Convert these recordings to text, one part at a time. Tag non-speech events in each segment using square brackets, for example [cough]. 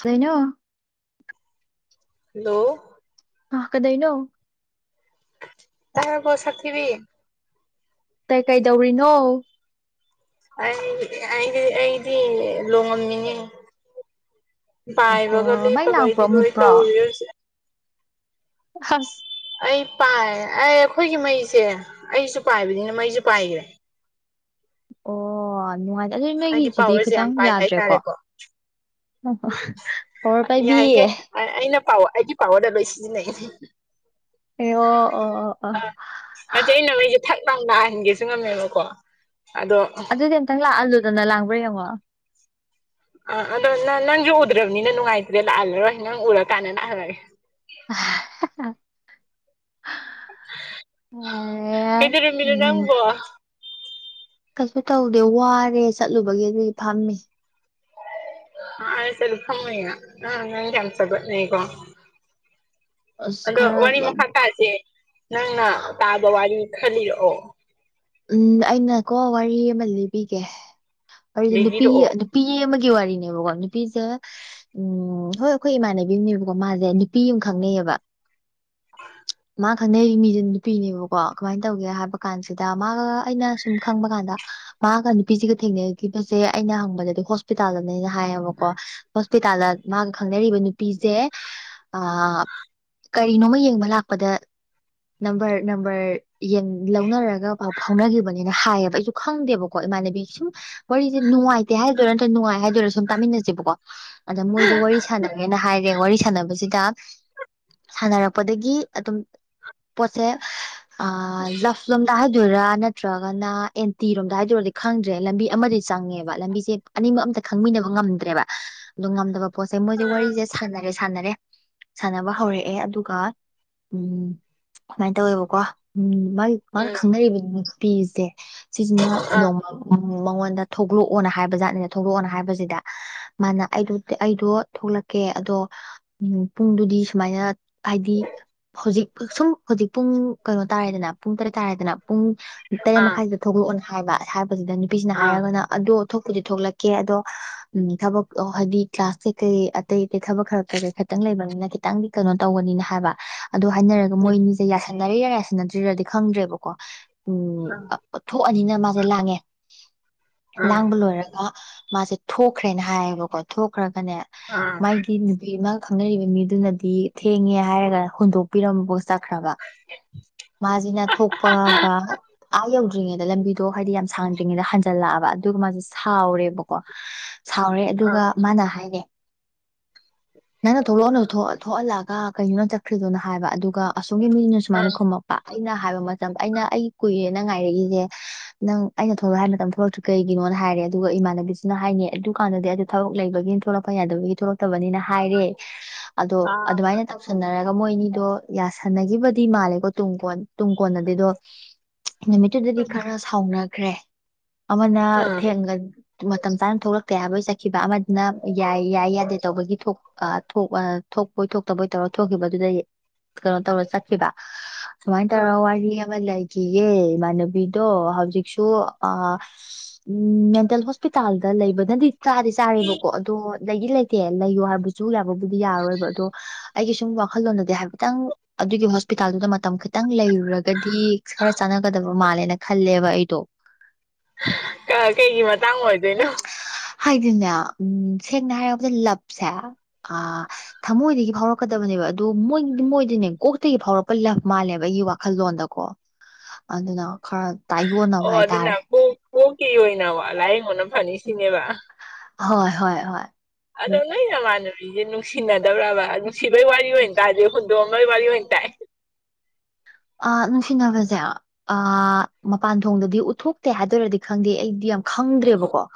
ꯁꯩꯅꯣ hello ꯑ ꯀꯗꯏꯩꯅꯣ ꯇꯅ ꯄꯣꯁꯔ ꯊꯈꯤꯕꯤ ꯀꯩ ꯀꯩꯗꯧꯔꯤꯅꯣ ꯑꯩ ꯑꯩꯗꯤ ꯑꯩꯗꯤ ꯂꯣꯡꯉꯝꯃꯤꯅꯦ ꯄꯥꯏꯕꯒ ꯑꯣ ꯃꯩ ꯂꯦꯞꯄꯒ ꯂꯥꯛꯄ꯭ꯔꯣ ꯑꯩꯗꯤ ꯂꯣꯏ ꯃꯨꯠꯄ꯭ꯔꯣ ꯇꯧꯔ ꯍꯧꯁꯦ ꯍ ꯑꯩ ꯄꯥꯏ ꯑꯩ ꯑꯩꯈꯣꯏꯒꯤ ꯃꯩꯁꯦ ꯑꯩꯁꯨ ꯄꯥꯏꯕꯅꯤꯅ ꯃꯩꯁꯨ ꯄꯥꯏꯈ꯭ꯔꯦ ꯑꯣ ꯅꯨꯡꯉꯥꯏꯇꯦ ꯑꯗꯨꯏ ꯑꯩꯒꯤ ꯅꯒꯤꯁꯤꯗꯤ ꯄꯋꯥꯔꯁꯦ ꯌꯥꯝ ꯈꯤꯇꯪ ꯄꯥꯏ ꯌꯥꯗ꯭ꯔꯦꯀꯣ ꯍꯥꯏꯇꯥꯔꯦꯀꯣ ꯑ ꯄꯥꯏꯕꯤ ꯌꯥꯏꯍꯦ ꯑꯩꯅ ꯄꯥꯎ ꯑꯩꯒꯤ ꯄꯥꯎꯋꯗ ꯂꯣꯏ ꯁꯤꯖꯤꯟꯅꯩꯅꯦ ꯑꯦ ꯑꯣ ꯑꯣ ꯑꯣ ꯑ ꯑꯁꯤ ꯑꯩꯅ ꯃꯩꯁꯦ ꯊꯛ ꯂꯥꯡ ꯅꯥꯍꯟꯒꯦꯁꯨ ꯉꯝꯃꯦꯕꯀꯣ ꯑꯗꯣ ꯑꯗꯨꯗꯤ ꯑꯝꯇꯪ ꯂꯥꯛꯍꯜꯂꯨꯗꯅ ꯂꯥꯡ꯭ꯔꯥ ꯌꯦꯡꯉꯣ ꯑꯥ ꯑꯗꯣ ꯅ ꯅꯪꯁꯨ ꯎꯗ꯭ꯔꯕꯅꯤꯅ ꯅꯨꯡꯉꯥꯏꯇ꯭ꯔꯦ ꯂꯥꯛꯍꯜꯂꯔꯣꯏ ꯅꯪ ꯎꯔꯀꯥꯟꯗ ꯂꯥꯛꯍꯜꯂꯒꯦ ꯀꯩꯗꯧꯔꯝꯃꯤꯅꯣ ꯕꯤꯝ ꯑ ꯎꯝ ꯅꯪꯕꯣ ꯀꯩꯁꯨ ꯇꯧꯗꯦ ꯋꯥꯔꯦ ꯆꯠꯂꯨꯕꯒꯤ ꯑꯗꯨꯗꯤ ꯐꯝꯃꯦ ꯑ ꯁꯂꯝ ꯑꯣꯏꯉ ꯑꯥꯡ ꯀꯁꯄꯀꯣ ꯑꯁ ꯑꯗꯣ ꯋꯥꯔꯤ ꯈꯔ ꯃꯈꯥ ꯇꯥꯁꯦ ꯅꯪꯅ ꯇꯥꯕ ꯋꯥꯔꯤ ꯈꯜꯂꯤꯔꯛꯑꯣ ꯎꯝ ꯑꯩꯅꯀꯣ ꯋꯥꯔꯤ ꯑꯃ ꯂꯤꯕꯤꯒꯦꯗꯤ ꯅꯨꯄꯤ ꯂꯤꯕꯤꯔꯛꯑꯣ ꯅꯨꯄꯤ ꯑꯃꯒꯤ ꯋꯥꯔꯤꯅꯦꯕꯀꯣ ꯅꯨꯄꯤꯁꯦ ꯎꯝ ꯍꯣꯏ ꯑꯩꯈꯣꯏ ꯏꯃꯥꯟꯅꯕꯤ ꯑꯃꯅꯦꯕꯀꯣ ꯃꯥꯁꯦ ꯅꯨꯄꯤ ꯑꯃ ꯈꯪꯅꯩꯌꯦꯕ ꯃꯥ ꯈꯪꯅꯔꯤ ꯃꯤꯁ ꯅꯨꯄꯤꯅꯦꯕꯀꯣ ꯀꯃꯥꯏꯅ ꯇꯧꯒꯦ ꯍꯥꯏꯕ ꯀꯥꯟꯁꯤꯗ ꯑꯗ ꯃꯥꯒ ꯑꯩꯅ ꯁꯨꯝ ꯈꯪꯕ ꯀꯥꯟꯗ ꯃꯥꯒ ꯅꯨꯄꯤꯁꯤꯒ ꯊꯦꯡꯅꯈꯤꯕꯁꯦ ꯑꯩꯅ ꯍꯪꯕꯗꯗꯤ ꯍꯣꯁꯄꯤꯇꯥꯜꯗꯅꯦꯅ ꯍꯥꯏꯌꯦꯕꯀꯣ ꯍꯣꯁꯄꯤꯇꯥꯜꯗ ꯃꯥꯒ ꯈꯪꯅꯔꯤꯕ ꯅꯨꯄꯤ ꯄꯤꯖꯦ ꯀꯔꯤꯅꯣꯃ ꯌꯦꯡꯕ ꯂꯥꯛꯄꯗ ꯅꯝꯕꯔ ꯅꯝꯕꯔ ꯌꯦꯟ ꯂꯧꯅꯔꯒ ꯄꯥꯎ ꯐꯥꯎꯅꯈꯤꯕꯅꯦꯅ ꯍꯥꯏꯌꯦꯕ ꯑꯩꯁꯨ ꯈꯪꯗꯦꯕꯀꯣ ꯏꯃꯥꯟꯅꯕꯤ ꯁꯨꯝ ꯋꯥꯔꯤꯁꯦ ꯅꯨꯡꯉꯥꯏꯇꯦ ꯍꯥꯏꯗꯣꯏꯔꯥ ꯅꯠꯇ꯭ꯔꯒ ꯅꯨꯡꯉꯥꯏ ꯍꯥꯏꯗꯣꯏꯔꯥ ꯁꯨꯝ ꯇꯥꯃꯤꯟꯅꯁꯦꯕꯀꯣ ꯑꯗ ꯃꯣꯏꯁꯦ ꯋꯥꯔꯤ ꯁꯥꯟꯅꯔꯦꯅ ꯍꯥꯏꯔꯦ ꯋꯥꯔꯤ ꯁꯥꯟꯅꯕꯁꯤꯗ ꯁꯥꯟꯅꯔꯛꯄꯗꯒꯤ ꯑꯗꯨꯝ ꯄꯣꯠꯁꯦ ꯂꯞ ꯂꯣꯝꯗ ꯍꯥꯏꯗꯣꯏꯔꯥ ꯅꯠꯇ꯭ꯔꯒꯅ ꯑꯦꯟꯇꯤꯔꯣꯝꯗ ꯍꯥꯏꯗꯣꯏꯔꯗꯤ ꯈꯪꯗ꯭ꯔꯦ ꯂꯝꯕꯤ ꯑꯃꯗꯤ ꯆꯪꯉꯦꯕ ꯂꯝꯕꯤꯁꯦ ꯑꯅꯤꯃꯛ ꯑꯝꯇ ꯈꯪꯃꯤꯟꯅꯕ ꯉꯝꯗ꯭ꯔꯦꯕ ꯑꯗꯨ ꯉꯝꯗꯕ ꯄꯣꯠ ꯆꯩꯩ ꯃꯣꯏꯁꯦ ꯎꯝ ꯋꯥꯔꯤꯁꯦ ꯁꯥꯟꯅꯔꯦ ꯁꯥꯟꯅꯔꯦ ꯁꯥꯟꯅꯕ ꯍꯧꯔꯛꯑꯦ ꯑꯗꯨꯒ ꯎꯝ ꯁꯃꯥꯏꯅ ꯇꯧꯋꯦꯕꯀꯣ ꯎꯝ ꯃꯥꯒꯤ ꯃꯥꯅ ꯈꯪꯅꯔꯤꯕ ꯅꯨꯄꯤꯁꯦ ꯁꯤꯁꯤꯅ ꯑꯥ ꯅꯣꯡꯃ ꯎꯝ ꯃꯉꯣꯟꯗ ꯊꯣꯛꯂꯛꯑꯣꯅ ꯍꯥꯏꯕꯖꯥꯠꯅꯤꯅ ꯊꯣꯛꯂꯛꯑꯣꯅ ꯍꯥꯏꯕꯁꯤꯗ ꯃꯥꯅ ꯑꯩ ꯑꯩꯗꯣ ꯊꯣꯛꯂꯛꯀꯦ ꯑꯗꯣ ꯎꯝ ꯄꯨꯡꯗꯨꯗꯤ ꯁꯨꯃꯥꯏꯅ ꯍꯥꯏꯗꯤ ꯍꯧꯖꯤꯛ ꯁꯨꯝ ꯍꯧꯖꯤꯛ ꯄꯨꯡ ꯀꯩꯅꯣ ꯇꯥꯔꯦꯗꯅ ꯄꯨꯡ ꯇꯔꯦꯠ ꯍꯥꯏꯇꯥꯔꯦꯗꯅ ꯄꯨꯡ ꯇꯔꯦꯠ ꯑꯥ ꯃꯈꯥꯏꯁꯤꯗ ꯊꯣꯛꯂꯛꯑꯣꯅ ꯍꯥꯏꯕ ꯍꯥꯏꯁꯤꯗ ꯅꯨꯄꯤꯁꯤꯅ ꯑꯥ ꯍꯥꯏꯔꯒꯅ ꯑꯗꯣ ꯊꯣꯛꯄꯗꯤ ꯊꯣꯛꯂꯛꯀꯦ ꯑꯗꯣ ꯎꯝ ꯊꯕꯛ ꯍꯥꯏꯗꯤ ꯀ꯭ꯂꯥꯁ ꯀꯩ ꯀꯩ ꯑꯇꯩ ꯑꯇꯩ ꯊꯕꯛ ꯈꯔ ꯈꯤꯇꯪ ꯂꯩꯕꯅꯤꯅ ꯈꯤꯇꯪꯗꯤ ꯀꯩꯅꯣ ꯇꯧꯒꯅꯤꯅ ꯍꯥꯏꯕ ꯑꯗꯨꯗ ꯍꯥꯏꯅꯔꯒ ꯎꯝ ꯃꯣꯏꯅꯤꯁꯦ ꯌꯥꯁꯟꯅꯔꯤꯔꯥ ꯌꯥꯁꯟꯅꯗ꯭ꯔꯤꯔꯗꯤ ꯈꯪꯗ꯭ꯔꯦꯕꯀꯣ ꯎꯝ ꯑꯥ ꯊꯣꯛꯑꯅꯤꯅ ꯃꯥꯁꯦ ꯂꯥꯡꯉꯦ ꯑꯥ ꯂꯥꯡꯕ ꯂꯣꯏꯔꯒ ꯃꯥꯁꯦ ꯊꯣꯛꯈ꯭ꯔꯦꯅ ꯍꯥꯏꯌꯦꯕꯀꯣ ꯊꯣꯛꯈ꯭ꯔꯒꯅꯦ ꯑꯥ ꯃꯥꯏ ꯅꯨꯄꯤꯃꯒ ꯈꯪꯅꯔꯤꯕ ꯃꯤꯗꯨꯅꯗꯤ ꯊꯦꯡꯉꯦ ꯍꯥꯏꯔꯒ ꯍꯨꯟꯗꯣꯛꯄꯤꯔꯝꯕ ꯄꯨ ꯆꯠꯈ꯭ꯔꯕ ꯃꯥꯖꯤꯅ ꯊꯣꯛꯄꯒ ꯑꯥ ꯌꯧꯗ꯭ꯔꯤꯉꯩꯗ ꯂꯝꯕꯤꯗꯣ ꯍꯥꯏꯗꯤ ꯌꯥꯝ ꯁꯥꯡꯗ꯭ꯔꯤꯉꯩꯗ ꯍꯟꯖꯜꯂꯛꯑꯕ ꯑꯗꯨꯒ ꯃꯥꯁꯤ ꯁꯥꯎꯔꯦꯕꯀꯣ [inaudible] ꯁꯥꯎꯔꯦ ꯑꯗꯨꯒ ꯑꯥ ꯃꯥꯅ ꯍꯥꯏꯔꯦ ꯅꯪꯅ ꯊꯣꯛꯂꯛꯑꯅ ꯊꯣꯛꯍꯜꯂꯛꯑꯒ ꯀꯩꯅꯣ ꯆꯠꯈ꯭ꯔꯤꯗꯣꯅ ꯍꯥꯏꯕ ꯑꯗꯨꯒ ꯑꯁꯣꯝꯒꯤ ꯃꯤꯅ ꯁꯨꯃꯥꯏꯅ ꯈꯨꯝꯃꯛꯄ ꯑꯩꯅ ꯍꯥꯏꯕ ꯃꯇꯝ ꯑꯩꯅ ꯑꯩ ꯀꯨꯏꯔꯦꯅ ꯉꯥꯏꯔꯛꯏꯁꯦ ꯅꯪ ꯑꯩꯅ ꯊꯣꯛꯂꯛꯑꯣ ꯍꯥꯏ ꯃꯇꯝ ꯊꯣꯛꯂꯛꯁꯨ ꯀꯩꯒꯤꯅꯣꯅ ꯍꯥꯏꯔꯦ ꯑꯗꯨꯒ ꯏꯃꯥꯟꯅꯕꯤꯁꯤꯅ ꯍꯥꯏꯅꯤ ꯑꯗꯨ ꯀꯥꯟꯗꯗꯤ ꯑꯗꯨ ꯊꯕꯛ ꯂꯩꯕꯒꯤꯅ ꯊꯣꯛꯂꯛꯄ ꯌꯥꯗꯕꯒꯤ ꯊꯣꯛꯂꯛꯇꯕꯅꯤꯅ ꯍꯥꯏꯔꯦ ꯑꯗꯣ ꯑꯥ ꯑꯗꯨꯃꯥꯏꯅ ꯇꯧꯁꯟꯅꯔꯒ ꯃꯣꯏ ꯑꯅꯤꯗꯣ ꯌꯥꯁꯟꯅꯈꯤꯕꯗꯤ ꯃꯥꯜꯂꯦꯀꯣ ꯇꯨꯡ ꯀꯣꯟ ꯇꯨꯡ ꯀꯣꯟꯅꯗꯤꯗꯣ ꯅꯨꯃꯤꯠꯇꯨꯗꯗꯤ ꯈꯔ ꯁꯥꯎꯅꯈ꯭ꯔꯦ ꯑꯃꯅ ꯑꯥ ꯊꯦꯡꯒꯟ ꯃꯇꯝ ꯆꯥꯅ ꯊꯣꯛꯂꯛꯇꯦ ꯍꯥꯏꯕ ꯆꯠꯈꯤꯕ ꯑꯃꯅ ꯌꯥꯏ ꯌꯥꯏ ꯌꯥꯗꯦ ꯇꯧꯕꯒꯤ ꯊꯣꯛ ꯊꯣꯛ ꯊꯣꯛꯄꯣꯏ ꯊꯣꯛꯇꯕꯣꯏ ꯇꯧꯔ ꯊꯣꯛꯈꯤꯕꯗꯨꯗꯒꯤ ꯀꯩꯅꯣ ꯇꯧꯔ ꯆꯠꯈꯤꯕ ꯇꯔ ꯋꯥꯔꯤ ꯑꯃ ꯂꯩꯈꯤꯌꯦꯦ ꯏꯃꯥꯟꯅꯕꯤꯗꯣ ꯍꯧꯖꯤꯛꯁꯨ ꯑ ꯎꯝ ꯃꯦꯟꯇꯦꯜ ꯍꯣꯁꯄꯤꯇꯥꯜꯗ ꯂꯩꯕꯅꯗꯤ ꯆꯥꯗꯤ ꯆꯥꯔꯦꯕꯀꯣ ꯑꯗꯣ ꯂꯩꯗꯤ ꯂꯩꯇꯦ ꯂꯩꯌꯣ ꯍꯥꯏꯕꯁꯨ ꯁꯨ ꯌꯥꯕꯕꯨꯗꯤ ꯌꯥꯔꯔꯣꯏꯕ ꯑꯗꯣ ꯑꯩꯒꯤ ꯁꯨꯝ ꯋꯥꯈꯜꯂꯣꯟꯗꯗꯤ ꯍꯥꯏꯐꯦꯠꯇꯪ ꯑꯗꯨꯒꯤ ꯍꯣꯁꯄꯤꯇꯥꯜꯗꯨꯗ ꯃꯇꯝ ꯈꯤꯇꯪ ꯂꯩꯔꯨꯔꯒꯗꯤ ꯈꯔ ꯆꯥꯟꯅꯒꯗꯕ ꯃꯥꯜꯂꯦꯅ ꯈꯜꯂꯦꯕ ꯑꯩꯗꯣ ꯀꯩꯒꯤ ꯃꯇꯥꯡ ꯑꯣꯏꯗꯣꯏꯅꯣ ꯍꯥꯏꯗꯤꯅꯦ ꯎꯝ ꯁꯦꯡꯅ ꯍꯥꯏꯔꯕꯗ ꯂꯞꯁꯦ ꯑꯥ ꯊꯃꯣꯏꯗꯒꯤ ꯐꯥꯎꯔꯛꯀꯗꯕꯅꯦꯕ ꯑꯗꯨ ꯃꯣꯏꯗꯤ ꯃꯣꯏꯗꯅꯦ ꯀꯣꯛꯇꯒꯤ ꯐꯥꯎꯔꯛꯄ ꯂꯞ ꯃꯥꯜꯂꯦꯕ ꯑꯩꯒꯤ ꯋꯥꯈꯜꯂꯣꯟꯗꯀꯣ ꯑꯗꯨꯅ ꯈꯔ ꯇꯥꯏꯌꯣꯟꯅꯕ ꯑꯣ ꯑꯗꯨꯅ ꯍꯥꯏꯇꯥꯔꯦ ꯀꯣꯛ ꯀꯣꯛꯀꯤ ꯑꯣꯏꯅ ꯂꯥꯏꯌꯦꯡꯕꯅ ꯐꯅꯤ ꯁꯤꯅꯦꯕ [unintelligible] ꯍꯣꯏ ꯍꯣꯏ ꯍꯣꯏ ꯑꯗꯣ ꯑꯩꯅ ꯃꯥꯁꯦ ꯅꯨꯡꯁꯤꯅꯗꯕꯔꯕ ꯅꯨꯡꯁꯤꯕꯩ ꯋꯥꯔꯤ ꯑꯣꯏꯅ ꯇꯥꯒꯦ ꯍꯨꯟꯗꯣꯛꯑꯝꯕꯩ ꯋꯥꯔꯤ ꯑꯣꯏꯅ ꯇꯥꯏ ꯑ ꯅꯨꯡꯁꯤꯅꯕꯁꯦ ꯑ ꯃꯄꯥꯟ ꯊꯣꯡꯗꯗꯤ ꯎꯠꯊꯣꯛꯇꯦ ꯍꯥꯏꯗꯣꯢꯔꯥꯗꯤ ꯈꯪꯗꯦ ꯑꯩꯗꯤ ꯌꯥꯝ ꯈꯪꯗ꯭ꯔꯦꯕꯀꯣ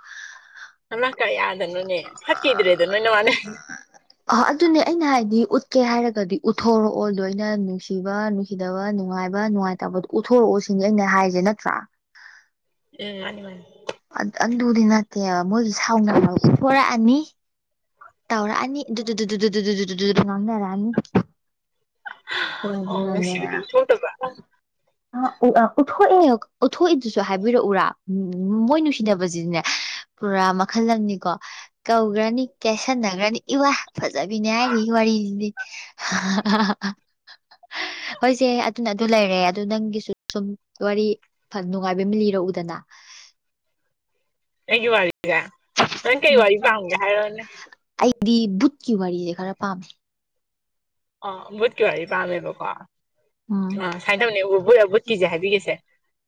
ꯅꯪ ꯅꯅꯥ ꯀꯔꯤ ꯍꯥꯏ ꯀꯌꯥꯗꯅꯣꯅꯦ ꯐꯠꯈꯤꯗ꯭ꯔꯦꯗ ꯅꯣꯏꯅ ꯃꯥꯅꯦ [unintelligible] ꯑ ꯑꯗꯨꯅꯦ ꯑꯩꯅ ꯍꯥꯏꯗꯤ ꯎꯠꯀꯦ ꯍꯥꯏꯔꯒꯗꯤ ꯎꯠꯊꯣꯔꯛꯑꯣ ꯂꯣꯏꯅ ꯅꯨꯡꯁꯤꯕ ꯅꯨꯡꯁꯤꯕ ꯅꯨꯡꯁꯤꯗꯕ ꯅꯨꯡꯉꯥꯏꯕ ꯅꯨꯡꯉꯥꯏꯇꯕꯗꯣ ꯎꯠꯊꯣꯔꯛꯑꯣ ꯁꯤꯅꯤ ꯑꯩꯅ ꯍꯥꯏꯁꯦ ꯅꯠꯇ꯭ꯔꯥ ꯎꯝ ꯃꯥꯅꯤ ꯃꯥꯅꯤ ꯑ ꯑ ꯑꯗꯨꯗꯤꯅꯇꯦ ꯃꯣꯏꯒꯤꯁꯦ ꯁꯥꯎꯅ ꯐꯣꯔꯛꯑꯅꯤ ꯇꯥꯎꯔꯛꯑꯅꯤ ꯑꯗꯨ ꯗꯨ ꯗꯨ ꯗꯨꯠ ꯗꯨ ꯗꯨ ꯉꯥꯡꯅꯔꯅꯤ ꯑꯣ ꯈꯣꯏꯗꯤꯅꯅꯦ ꯅꯨꯡꯁꯤꯕꯗꯤ ꯊꯣꯛꯇꯕ ꯑ ꯎꯠꯊꯣꯛꯏꯑꯦ ꯎꯠꯊꯣꯛꯏꯗꯨꯁꯨ ꯍꯥꯏꯕꯤꯔꯛꯎꯔꯥ ꯎ ꯃꯣꯏ ꯅꯨꯡꯁꯤꯅꯕꯁꯤꯗꯤꯅꯦ ꯄꯨꯔꯥ ꯃꯈꯜ ꯑꯃꯅꯤꯀꯣ ꯀꯧꯈ꯭ꯔꯅꯤ ꯀꯦꯁꯟꯅꯈ꯭ꯔꯅꯤ ꯏ ꯋꯥ ꯐꯖꯕꯤꯅꯤ ꯍꯥꯏꯔꯤ ꯋꯥꯔꯤꯁꯤꯗꯤ ꯑꯍꯥ ꯍꯥ ꯍꯣꯏꯁꯦ ꯑꯗꯨꯅ ꯑꯗꯨ ꯂꯩꯔꯦ ꯑꯗꯨ ꯅꯪꯒꯤꯁꯨ ꯁꯨꯝ ꯋꯥ ꯔꯤ ꯐ ꯅꯨꯡꯉꯥꯏꯕ ꯑꯃ ꯂꯤꯔꯛꯎꯗꯅ ꯑꯩꯒꯤ ꯋꯥꯔꯤꯁꯦ ꯅꯪ ꯀꯩ ꯋꯥꯔꯤ ꯄꯥꯝꯒꯦ ꯍꯥꯏꯔꯛꯎꯅꯦ ꯑꯩ ꯗꯤ ꯕꯨꯠꯀꯤꯨ ꯋꯥ ꯋꯥꯔꯤꯔꯤ ꯁꯦ ꯈꯔ ꯄꯥꯝꯃꯦ꯫ ꯑ ꯕꯨꯠꯀꯤꯦ ꯋꯥꯔꯤ ꯄꯥꯝꯃꯦꯕꯣꯀꯣ꯫ ꯎꯝ ꯑ ꯁꯨꯃꯥꯏꯅ ꯇꯧꯅꯤ ꯕꯨꯠ ꯕꯨꯠꯀꯤꯁꯦ ꯍꯥꯏꯕꯤꯈꯤꯁꯦ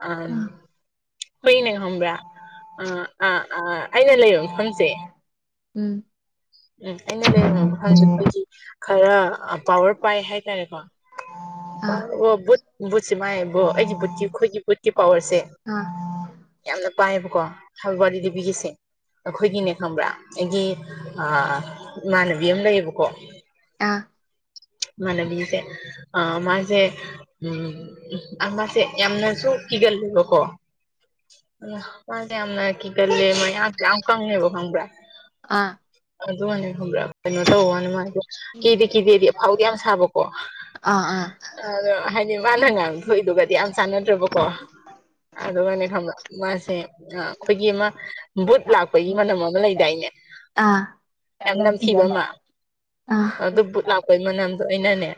ꯑꯝ꯫ ꯍꯨꯏꯅꯦ ꯈꯪꯕ꯭ꯔꯥ ꯑ ꯑ ꯑꯩꯅ ꯂꯩꯕ ꯃꯐꯝꯁꯦ꯫ ꯎꯝ꯫ ꯎꯝ ꯑꯩꯅ ꯂꯩꯔꯝꯕ ꯃꯐꯝꯁꯦ ꯑꯩꯈꯣꯏꯒꯤ ꯈꯔ ꯄꯋꯔ ꯄꯥꯏ ꯍꯥꯏꯇꯥꯔꯦꯀꯣ꯫ ꯄ ꯑꯥ ꯑꯣ ꯕꯨꯠ ꯕꯨꯠꯁꯦ ꯃꯥꯥꯏꯕꯣ ꯑꯩꯒꯤ ꯕꯨꯠꯀꯤ ꯑꯩꯈꯣꯏꯒꯤ ꯕꯨꯠꯀꯤ ꯄꯋꯔꯁꯦ꯫ ꯑ꯫ ꯌꯥꯝꯅ ꯄꯥꯏꯌꯦꯕꯀꯣ ꯍꯥꯏꯋꯥꯂꯤ ꯗꯦꯕꯤꯒꯤꯁꯦ ꯑꯩꯈꯣꯏꯒꯤꯅꯦ ꯈꯪꯕ꯭ꯔꯥ ꯑꯩꯒꯤ꯫ ꯑ ꯏꯃꯥꯅꯕꯤ ꯑꯃ ꯂꯩꯌꯦꯕꯀꯣ꯫ ꯑ꯫ ꯏꯃꯥꯅꯕꯤꯁꯦ ꯑ ꯃꯥꯁꯦ꯫ ꯎꯝ ꯑꯥ ꯃꯥꯁꯦ ꯌꯥꯝꯅꯁꯨ ꯀꯤꯒꯜꯂꯦꯕꯀꯣ꯫ ꯏꯌꯥ ꯃꯥꯁꯦ ꯌꯥꯝꯅ ꯀꯤꯒꯜꯂꯦ ꯃꯌꯥꯡꯁꯨ ꯌꯥꯝ ꯀꯪꯂꯦ ꯈꯪꯕꯔꯥ꯫ ꯑꯥ꯫ ꯑꯗꯨꯅꯦ ꯈꯪꯕ꯭ꯔꯥ ꯀꯩꯅꯣ ꯇꯧꯋꯥꯅꯦ ꯃꯥꯁꯦ꯫ ꯀꯤꯗꯦ ꯀꯤꯗꯦ꯫ ꯍꯧꯗꯤ ꯌꯥꯝ ꯁꯥꯕꯀꯣ ꯑꯗꯣ ꯍꯥꯏꯗꯤ ꯃꯥꯅꯅꯦ꯫ ꯄꯊꯣꯏꯗꯨꯒꯗꯤ ꯌꯥꯝ ꯆꯥꯟꯅꯗ꯭ꯔꯦꯕꯀꯣ ꯑꯗꯨꯒꯅꯦ ꯈꯪꯕ꯭ꯔ ꯃꯥꯁꯦ꯫ ꯑ ꯑꯩꯈꯣꯏꯒꯤ ꯑꯃ ꯕꯨꯠ ꯂꯥꯛꯄꯒꯤ ꯃꯅꯝ ꯑꯃ ꯂꯩꯗꯥꯏꯅꯦ꯫ ꯑꯥ ꯌꯥꯝ ꯅꯝꯊꯤꯕ ꯑꯃ ꯑꯥ ꯑꯗꯨ ꯕꯨꯠ ꯂꯥꯛꯄꯩ ꯃꯅꯝꯗꯣ ꯑꯩꯅꯅꯦ꯫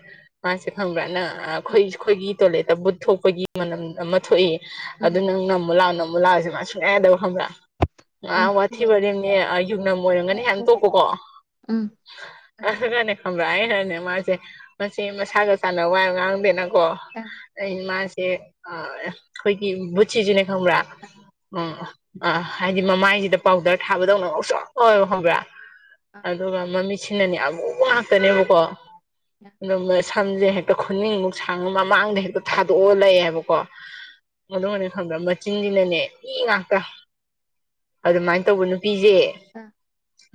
ꯃꯥꯁꯦ ꯈꯪꯕ꯭ꯔꯅ ꯑ ꯑꯩꯈꯣꯏ ꯑꯩꯈꯣꯏꯒꯤ ꯇꯣꯏꯂꯦꯠꯇ ꯕꯨꯠ ꯊꯣꯛꯄꯒꯤ ꯃꯅꯝ ꯑꯃ ꯊꯣꯛꯏꯌꯦ꯫ ꯎꯝ ꯑꯗꯨ ꯅꯪ ꯅꯝꯃꯨ ꯂꯥꯛꯑꯣ ꯅꯝꯃꯨ ꯂꯥꯛꯑꯣꯁꯦ ꯃꯥ ꯁꯨꯡꯉꯥꯏ ꯌꯥꯗꯕ ꯈꯪꯕ꯭ꯔꯥ꯫ ꯑ ꯎꯝ ꯎꯝ ꯋꯥꯊꯤ ꯋꯥꯔꯦꯝꯅꯦ ꯌꯨꯡꯅꯝ ꯑꯣꯏꯔꯝꯒꯅꯤ ꯍꯥꯏꯅ ꯇꯣꯛꯄꯀꯣ꯫ ꯑꯗꯨꯒ ꯈꯪꯕꯔ ꯑꯩꯅꯅꯦ ꯃꯥꯁꯦ꯫ ꯃ ꯃꯁꯥꯒ ꯆꯥꯟꯅꯕ ꯋꯥ ꯌꯥꯝꯅ ꯉꯥꯡꯗꯦꯅꯀꯣ ꯑꯩ ꯃꯥꯁꯦ꯫ ꯑ ꯍ ꯑꯩꯈꯣꯏꯒꯤ ꯕꯨꯠꯁꯤꯁꯨꯅꯦ ꯈꯪꯕ꯭ꯔꯥ꯫ ꯎꯝ ꯑꯥ ꯍꯥꯏꯗꯤ ꯃꯃꯥꯏꯁꯤꯗ ꯄꯥꯎꯗꯔ ꯊꯥꯕꯗꯧꯅ ꯉꯧꯁꯣꯛ ꯉꯧꯌꯦ ꯈꯪꯕ꯭ꯔꯥ꯫ ꯑꯗꯨꯒ ꯃꯃꯤꯠꯁꯤꯅꯅꯤ ꯑꯃ ꯉꯥꯛꯇꯅꯦꯕꯀꯣ ꯁꯝꯁꯦ ꯍꯦꯛꯇ ꯈꯨꯅꯤꯡꯃꯨꯛ ꯁꯥꯡꯉ ꯃꯃꯥꯡꯗ ꯍꯦꯛꯇ ꯊꯥꯗꯣꯛꯑ ꯂꯩꯌꯦꯦꯕꯀꯣ ꯑꯗꯨꯗꯤ ꯈꯪꯕ꯭ꯔꯥ ꯃꯆꯤꯟꯁꯤꯅꯅꯦ ꯃꯤ ꯉꯥꯛꯇ ꯑꯗꯨꯃꯥꯏꯅ ꯇꯧꯕ ꯅꯨꯄꯤꯁꯦ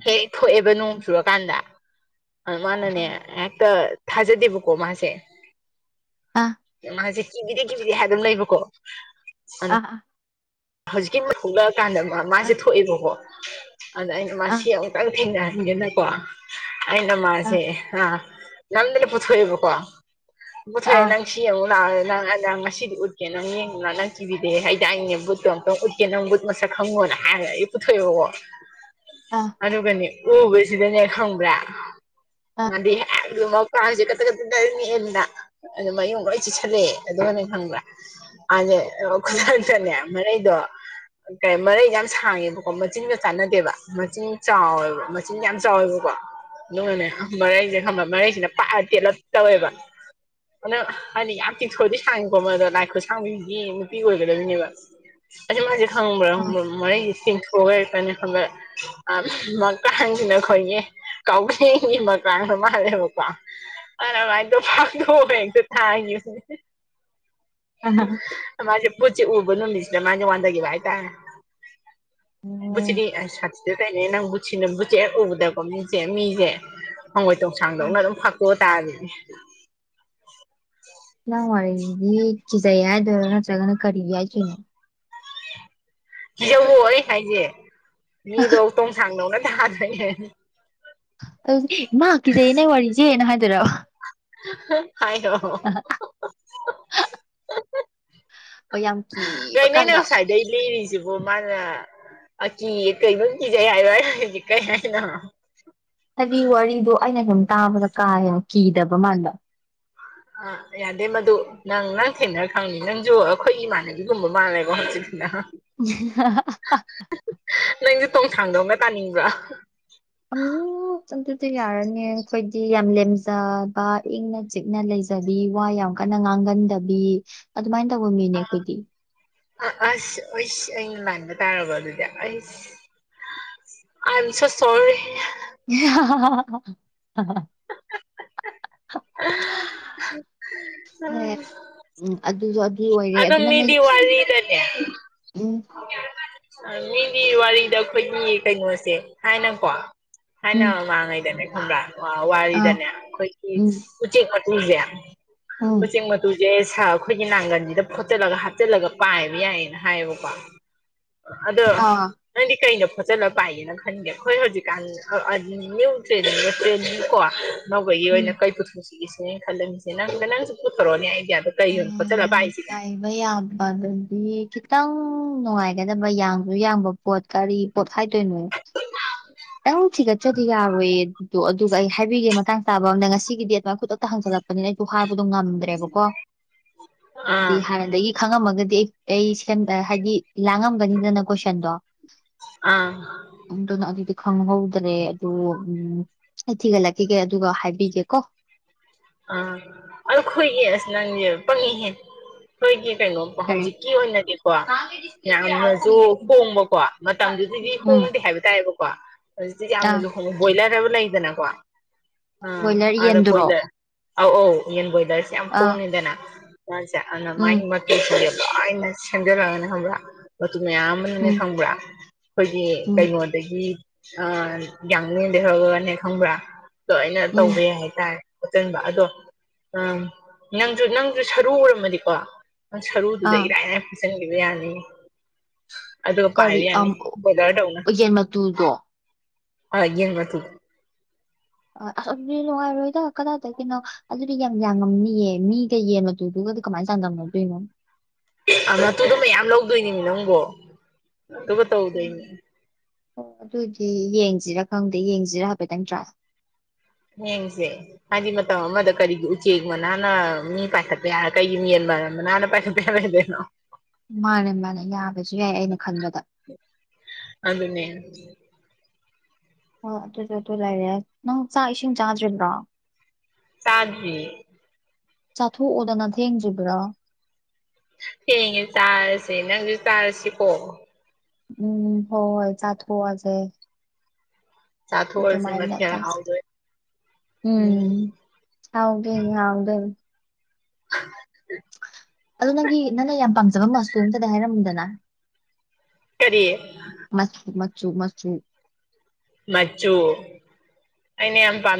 ꯍꯦꯛꯦꯛ ꯊꯣꯛꯑꯦꯕ ꯅꯣꯡ ꯆꯨꯔꯀꯥꯟꯗ ꯑꯗꯨ ꯃꯥꯅꯅꯦ ꯑꯦꯇ ꯊꯥꯖꯦ ꯗꯕ ꯀꯣ ꯃꯥꯁꯦ ꯑꯥ ꯃꯥꯁꯦ ꯀꯤꯕꯤꯗꯤ ꯀꯤꯕꯤꯗꯤ ꯍꯥꯏ ꯑꯗꯨꯝ ꯂꯩꯕ ꯀꯣ ꯑꯥ ꯑꯥ ꯍꯧꯖꯤꯛꯀꯤ ꯃꯂꯛꯑꯀꯥꯟꯗ ꯃꯥꯁꯦ ꯑꯥ ꯊꯣꯛꯑꯦꯕꯀꯣ ꯑꯗ ꯑꯩꯅ ꯃꯥ ꯑꯥ ꯁꯤ ꯑꯃꯨꯛꯇꯪ ꯊꯦꯡꯅꯍꯟꯗꯦꯅꯀꯣ ꯑꯩꯅ ꯑꯥ ꯃꯥꯁꯦ ꯑ ꯅꯪꯗ ꯄꯨꯊꯣꯛꯑꯌꯦꯕꯀꯣ ꯄꯨꯊꯣꯏꯦ ꯑꯥ ꯅꯪ ꯉꯁꯤ ꯑꯃꯨꯛ ꯂꯥꯛꯑꯒ ꯅꯪ ꯅꯪ ꯉꯁꯤꯗꯤ ꯎꯠꯀꯦ ꯅꯪ ꯌꯦꯡꯗꯅ ꯅꯪ ꯀꯤꯕꯤꯗꯦ ꯍꯩꯗꯤ ꯑꯪꯉꯦꯕꯨꯠ ꯎꯠꯇꯣ ꯑꯃꯨꯛꯇꯪ ꯎꯠꯀꯦ ꯅꯪ ꯕꯨꯠ ꯃꯁꯛ ꯈꯪꯉꯣꯅ ꯍꯥꯏꯔꯒ ꯑꯩ ꯄꯨꯊꯣꯛꯑꯦꯀꯣ ꯑꯥ ꯑꯗꯨꯒꯅꯤ ꯎꯕ ꯁꯤꯗꯅꯦ ꯈꯪꯕ꯭ꯔꯥ ꯑꯥ ꯃꯥꯗꯤ ꯑꯗꯨ ꯃꯄꯥꯟꯁꯦ ꯀꯛꯇ ꯀ ꯃꯦꯟꯗ ꯑꯗꯨ ꯃꯌꯡ ꯂꯣꯏ ꯆꯤꯤꯁꯜꯂꯛꯑꯦ ꯑꯗꯨꯅ ꯈꯪꯕ꯭ꯔꯥ ꯑꯗꯦ ꯈꯨꯂꯥꯏ ꯆꯅꯦ ꯃꯅꯩꯗꯣ ꯀꯩ ꯃꯔꯩ ꯌꯥꯝ ꯁꯥꯡꯉꯦꯕꯀꯣ ꯃꯆꯤꯟꯒ ꯆꯥꯟꯅꯗꯦꯕ ꯃꯆꯤꯟ ꯆꯥꯎꯋꯦꯕ ꯃꯆꯤꯟ ꯌꯥꯝ ꯆꯥꯎꯋꯦꯕꯀꯣ ꯅꯣꯏꯅꯦ ꯃꯔꯩꯁꯦ ꯈꯪꯕ ꯃꯔꯩꯁꯤꯅ ꯄꯥꯛꯑ ꯇꯦꯠꯂꯞ ꯇꯧꯋꯦꯕ ꯑꯅ ꯍꯥꯏꯗꯤ ꯌꯥꯝ ꯇꯤꯡꯊꯣꯏꯗꯤ ꯁꯥꯡꯉꯤꯀꯣ ꯃ ꯑꯗꯣ ꯂꯥꯏ ꯈꯨꯣꯏꯁꯥꯡꯕꯤꯁꯤꯒꯤ ꯅꯨꯄꯤ ꯑꯣꯏꯒꯗꯣꯏꯅꯦꯕ ꯑꯁꯦ ꯃꯥꯖꯤ ꯈꯥꯡꯕꯕ ꯑꯥ ꯃꯣꯔꯦꯒꯤꯁꯤꯡ ꯁ ꯑꯣꯏꯔꯛꯄꯅꯤ ꯈꯕ ꯃꯔꯛꯇꯁꯤꯅ ꯑꯩ ꯈꯈꯣꯏꯒꯤ ꯀꯧꯅꯤ ꯃ ꯀꯥꯡ ꯃꯥꯔꯦꯕ [unintelligible] ꯑ ꯃꯥꯁꯦ ꯄꯨꯠ ꯆꯩ ꯎꯕꯨꯨꯅ ꯃꯤꯁ꯭ꯔ ꯃꯥꯅꯦꯦ ꯋꯥꯗꯒꯤ ꯥꯏ ꯇꯥꯏ ꯎꯝ ꯕꯨꯆꯔꯤ ꯁꯥꯇꯤꯗ ꯀꯥꯏꯅꯦ ꯅꯪ ꯕꯨꯆꯦ ꯎꯕꯗꯀꯣ ꯃꯤꯁꯦ ꯃꯤꯁꯦ ꯍꯪꯒꯣꯏ ꯑꯥ ꯇꯣꯡꯁꯥꯡꯗꯧꯅ ꯑꯗꯨꯝ ꯐꯄꯑ ꯇꯥꯔꯅꯦ ꯅꯪ ꯋꯥꯔꯤꯗꯤ ꯀꯤꯖꯩ ꯍꯥꯏꯗꯣꯏꯔꯣ ꯅꯠꯇ꯭ꯔꯒꯅ ꯀꯔꯤ ꯍꯥꯏꯗꯣꯏꯅꯣ ꯀꯤꯖꯧꯑꯣ ꯑꯩ ꯍꯥꯏꯁꯦ ꯃꯤꯗꯣ ꯇꯣꯡꯁꯥꯡꯗꯧꯅ ꯊꯥꯗꯣꯏꯅꯦ ꯑꯗꯨꯃꯀꯤꯗ ꯅ ꯋꯥꯔꯤꯁꯦꯅ ꯍꯥꯏꯗꯣꯏꯔ ꯍꯥꯏ ꯍꯣ ꯍꯣ ꯍ ꯌꯥꯝ ꯀꯤꯕ ꯀꯥꯟꯗ ꯂꯩ ꯂꯩꯔꯤꯁꯤꯦꯕꯣ ꯃꯥꯅꯦ ꯑꯀꯤꯌꯦ ꯀꯩꯕꯝ ꯀꯤꯖꯩ ꯍꯥꯏꯕꯔꯗꯤ ꯀꯩ ꯍꯥꯏꯅꯣ ꯍꯥꯏꯕꯤ ꯋꯥꯔꯤꯗꯣ ꯑꯩꯅ ꯁꯨꯝ ꯇꯥꯕꯗ ꯀꯥ ꯍꯦꯟꯅ ꯀꯤꯗꯕ ꯃꯜꯥꯟꯕ ꯑ ꯌꯥꯗꯦ ꯃꯗꯨ ꯅꯪ ꯅꯪ ꯊꯦꯡꯅꯔ ꯈꯪꯅꯤ ꯅꯪꯁꯨ ꯑꯩꯈꯣꯏ ꯏꯃꯥꯟꯅꯕꯤꯒꯨꯝꯕ ꯃꯥꯜꯂꯦꯀꯣ ꯍꯧꯖꯤꯛ ꯅꯪ [unintelligible] ꯅꯪꯁꯦ ꯇꯣꯡꯊꯥꯡꯗꯧꯅ ꯇꯥꯅꯤꯡꯕ꯭ꯔꯥ ꯑꯗꯨꯗ ꯌꯥꯔꯅꯤ ꯑꯩꯈꯣꯏꯗꯤ ꯌꯥꯝ ꯂꯦꯝꯖꯕ ꯏꯪꯅ ꯆꯤꯛꯅ ꯂꯩꯖꯩ ꯐꯖꯕꯤ ꯋꯥ ꯌꯥꯝ ꯀꯟꯅ ꯉꯥꯡꯒꯟꯗꯕꯤ ꯑꯗꯨꯃꯥꯏꯅ ꯇꯧꯕ ꯃꯤꯅꯦ ꯑꯩꯈꯣꯏꯗꯤ ꯑ ꯑꯁ ꯑꯣꯁ ꯏꯥꯟꯕ ꯇꯥꯒꯗꯗ ꯑꯁ ꯑꯟꯁꯨ ꯁꯣꯔꯤ [unintelligible] ꯍ ꯎ ꯑꯗꯨꯁꯨ ꯑꯗꯨ ꯑꯣꯏꯔꯦ ꯑꯗꯣ ꯑꯗꯨ ꯅꯪ ꯃꯤꯗꯤ ꯎꯝ ꯃꯤꯒꯤ ꯋꯥꯔꯤꯗ ꯑꯩꯈꯣꯏꯒꯤ ꯀꯩꯅꯣꯁꯦ ꯍꯥꯏꯅꯀꯣ ꯍꯥꯏꯅ ꯎꯝ ꯃꯃꯥꯡꯉꯩꯗꯅꯦ ꯈꯪꯕ꯭ꯔꯥ ꯑꯥ ꯋꯥꯔꯤꯗꯅꯦ ꯑꯩꯈꯣꯏꯒꯤ ꯎꯝ ꯎꯆꯦꯛ ꯃꯁꯦ ꯎ ꯎꯝ ꯎꯆꯦꯛ ꯃ ꯇꯨꯁꯦ ꯁꯥ ꯑꯩꯈꯣꯏꯒꯤ ꯅꯥꯒꯟꯁꯤꯗ ꯐꯣꯠꯆꯜꯂꯒ ꯍꯥꯞꯆꯤꯜꯂꯒ ꯄꯥꯏꯕ ꯌꯥꯏꯌꯦꯅ ꯍꯥꯏꯌꯦꯕꯀꯣ ꯑꯗꯣ ꯑꯥ ꯅꯪꯗꯤ ꯀꯩꯅꯣ ꯐꯣꯠꯆꯜꯂ ꯄꯥꯏꯒꯦꯅ ꯈꯟꯒꯦ ꯑꯩꯈꯣꯏ ꯍꯧꯖꯤꯛꯀꯥꯟ ꯅꯨ ꯇ꯭ꯔꯦ ꯇ꯭ꯔꯦ ꯗꯤ ꯀꯣ ꯅꯧꯕꯒꯤ ꯑꯣꯏꯅ ꯎꯝ ꯀꯩ ꯄꯨꯊꯣꯛꯆꯏꯁꯤꯅꯦꯅ ꯈꯜꯂꯝꯃꯤꯁꯦ ꯅꯪ ꯅꯪꯁꯨ ꯄꯨꯊꯣꯔꯛꯑꯣꯅꯦ ꯑꯥꯏꯗꯤꯌꯥꯗꯣ ꯀꯩ ꯌꯣꯟ ꯐꯣꯠꯆꯤꯟꯂꯥ ꯄꯥꯏꯁꯒꯦ ꯃꯌꯥꯝ ꯄꯥꯟꯕ ꯑꯗꯨꯗꯤ ꯈꯤꯇꯪ ꯅꯨꯡꯉꯥꯏꯒꯗꯕ ꯌꯥꯡꯁꯨ ꯌꯥꯡꯕ ꯄꯣꯠ ꯀꯥꯔꯤ ꯄꯣꯠ ꯍꯥꯏꯇꯣꯏꯅꯣꯏ ꯈꯤꯇꯪ ꯊꯤꯒꯠꯆ꯭ꯔꯗꯤ ꯌꯥꯔꯣꯏꯦꯗꯣ ꯑꯗꯨꯒ ꯑꯩ ꯍꯥꯏꯕꯤꯒꯦ ꯃꯇꯥꯡ ꯆꯥꯕ ꯑꯝꯗ ꯉꯁꯤꯒꯤ ꯑꯗꯨꯃꯥꯏꯅꯥ ꯈꯨꯗꯛꯇ ꯍꯪꯖꯜꯂꯛꯄ ꯅꯤꯅ ꯑꯩꯁꯨ ꯍꯥꯏꯕꯗꯣ ꯉꯝꯗ꯭ꯔꯦꯕꯀꯣ ꯍꯥꯏꯗꯤ ꯑꯥ ꯍꯥꯟꯅꯗꯒꯤ ꯈꯪꯉꯝꯃꯒꯗꯤ ꯑꯩ ꯑꯩ ꯍꯥꯏꯗꯤ ꯂꯥꯡꯉꯝꯒꯅꯤꯗꯅ ꯀꯣꯏꯁꯟꯗꯣ ꯑꯥ ꯎꯗꯅꯗꯤ [unintelligible] ꯈꯪꯍꯧꯗꯔꯦ ꯑꯗꯨ ꯎꯝ ꯑꯩ ꯊꯤꯒꯠꯂꯛꯈꯤꯒꯦ ꯑꯗꯨꯒ ꯍꯥꯏꯕꯤꯒꯦ ꯀꯣ ꯑꯥ ꯑꯗ ꯈꯣꯏꯒꯤ ꯑꯁ ꯅꯪꯁꯦ ꯄꯪꯏꯍꯦ꫰ꯈꯣꯏꯒꯤ ꯀꯩꯅꯣ ꯀꯔꯤ ꯍꯧꯖꯤꯛꯀꯤ ꯑꯣꯏꯅꯗꯤꯀꯣ ꯌꯥꯝꯅꯁꯨ ꯍꯣꯡꯕꯀꯣ ꯃꯇꯝꯗꯨꯗꯗꯤ ꯎꯝ ꯍꯣꯡꯗꯦ ꯍꯥꯏꯕ ꯇꯥꯔꯦꯕꯣ ꯀꯣ ꯍꯧꯖꯤꯛꯇꯤ ꯑꯥ ꯌꯥꯝꯅꯁꯨ ꯍꯣꯡꯉꯦ ꯕꯣꯏꯂꯔ ꯑꯃ ꯂꯩꯗꯅꯀꯣ ꯑ ꯕꯣꯏꯂꯔ ꯑꯔ ꯌꯦꯟꯗꯨꯔꯣ ꯄꯣꯏꯂ ꯑꯧ ꯑꯧ ꯌꯦꯟ ꯕꯣꯏꯂꯔꯁꯦ ꯌꯥꯝ ꯑꯥ ꯍꯣꯡꯉꯦꯗꯅ ꯃꯥꯁꯦ ꯑꯗꯨꯅ ꯎꯝ ꯃꯥꯒꯤ ꯁꯟꯗ ꯂꯦ ꯇꯌꯥꯝ [unintelligible] ꯎꯝ ꯈꯪꯕ꯭ꯔꯥ ꯑꯩꯈꯣꯏꯒꯤ ꯎꯝ ꯀꯩꯅꯣ ꯑꯗꯒꯤ ꯑ ꯌꯥꯡꯦꯟꯗꯒꯤꯩ ꯍꯧꯔꯒꯅꯦ ꯈꯪꯕ꯭ꯔꯥ ꯂꯣꯏꯅ ꯎꯝ ꯇꯧꯕ ꯌꯥꯏ ꯍꯥꯏꯇꯥꯔꯦ ꯆꯟꯕ ꯑꯗꯣ ꯎ ꯅꯪꯁꯨ ꯅꯪꯁꯨ ꯁꯔꯨ ꯎꯔꯝꯃꯗꯤꯀꯣ ꯅ ꯁꯔꯨꯗꯨꯗ ꯑꯥ ꯏꯔꯥꯏ ꯂꯥꯏꯅ ꯐꯤꯆꯟꯈꯤꯕ ꯌꯥꯅꯤꯌꯦ ꯑꯗꯨꯒ ꯀꯔꯤ ꯄꯥꯏꯕ ꯌꯥꯅꯤ ꯑꯝ ꯕꯣꯏꯂꯔꯗꯧꯅ ꯌꯦꯟ ꯃꯇꯨ ꯗꯣ ꯑ ꯌꯦꯡ ꯃꯇꯨ ꯑ ꯑꯁꯗꯤ ꯅꯨꯡꯉꯥꯏꯔꯣꯏꯗ ꯀꯗꯥꯏꯗꯗꯒꯤꯅꯣ ꯑꯗꯨꯗꯤ ꯌꯥꯝ ꯌꯥꯡꯉꯝꯅꯤꯌꯦ ꯃꯤꯒ ꯌꯦꯟ ꯑꯗꯨꯒꯗꯤ ꯀꯃꯥꯏꯅ ꯆꯥꯟꯗꯝꯅꯗꯣꯏꯅꯣ ꯃꯇꯨꯗ ꯃꯌꯥꯝ ꯂꯧꯗꯣꯏꯅꯤꯅꯦ ꯅꯪꯕꯣ ꯑꯗꯨꯨ ꯎꯝ ꯇꯧꯗꯣꯏꯅꯤ ꯑꯣ ꯑꯗꯨꯑꯣꯏꯗꯤ ꯌꯦꯡꯁꯤꯔꯥ ꯈꯪꯗꯦ ꯌꯦꯡꯁꯤꯔꯥ ꯍꯥꯏꯐꯦꯠꯇꯪ ꯇꯦꯌꯦ ꯌꯦꯟꯁꯦ ꯍꯥꯏꯗꯤ ꯃꯇꯝ ꯑꯃꯗ ꯀꯔꯤꯒꯤ ꯎꯆꯦꯛ ꯃꯅꯥꯅ ꯃꯤ ꯄꯥꯏꯈꯠꯄ ꯌꯥꯔ ꯀꯔꯤꯒꯤ ꯃꯤꯟ ꯃ ꯃꯅꯥꯅ ꯄꯥꯏꯈ ꯗꯅꯣ ꯃꯥꯅꯦ ꯃꯥꯅꯦ ꯌꯥꯕꯁꯨ ꯌꯥꯏ ꯑꯩꯅ ꯈꯟꯕꯗ ꯑꯗꯨꯅꯦ ꯑꯣ ꯑꯗꯨꯁꯨ ꯑꯗꯨ ꯂꯩꯔꯦ ꯅꯪ ꯆꯥꯛ ꯏꯁꯤꯡ ꯆꯥꯗ꯭ꯔꯤꯕ꯭ꯔꯣ ꯆꯥꯗ꯭ꯔꯤ ꯆꯥꯊꯣꯛꯑꯣꯗꯅ ꯊꯦꯡꯗ꯭ꯔꯤꯕ꯭ꯔꯥ ꯊꯦꯡꯉꯦ ꯆꯥꯔꯁꯦ ꯅꯪꯁꯨ ꯆꯥꯔꯁꯤꯀꯣ ꯎꯝ ꯍꯣ ꯍꯣꯏ ꯆꯥ ꯊꯣꯛꯑꯖꯦ ꯆꯥꯊꯣꯛꯑꯁꯤ ꯑꯗꯨꯃꯥꯏ ꯃꯊꯦꯜ ꯍꯥꯎꯗꯣꯏ ꯎꯝ ꯍꯥꯎꯒꯦ [unintelligible] ꯑꯗꯣ ꯅꯪꯒꯤ ꯅꯪꯅ ꯌꯥꯝ ꯄꯥꯝꯖꯕ ꯃꯆꯨ ꯑꯃꯇꯥꯗꯤ ꯍꯥꯏꯔꯝꯃꯨꯗꯅ ꯀꯔꯤ ꯃꯁ ꯃꯆꯨ ꯃꯆꯨ ꯃꯆꯨ ꯑꯩꯅ ꯌꯥꯝ ꯄꯝ